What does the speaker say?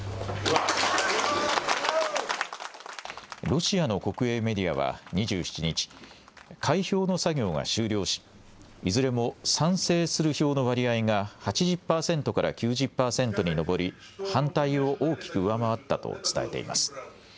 ロシアの国営メディアは２７日、開票の作業が終了し、いずれも賛成する票の割合が８０％から９０％に上り、反対を大きく上回ったと伝えています。